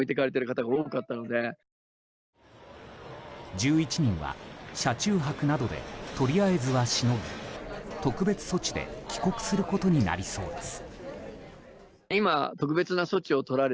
１１人は車中泊などでとりあえずはしのぎ特別措置で帰国することになりそうです。